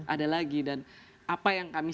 ada lagi dan apa yang kami